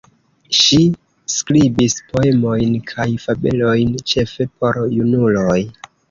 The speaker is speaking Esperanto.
Ŝi skribis poemojn kaj fabelojn ĉefe por junuloj.